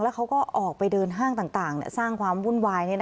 เขาก็ออกไปเดินห้างต่างสร้างความวุ่นวาย